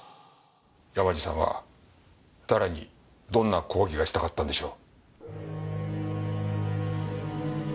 山路さんは誰にどんな抗議がしたかったんでしょう。